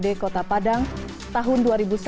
dari dprd padang tahun dua ribu satu dua ribu dua